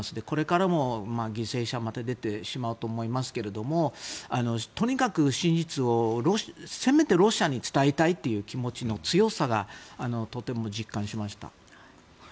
これからも犠牲者また出てしまうと思いますけどとにかく真実をせめてロシアに伝えたいという気持ちの強さをとても実感しました。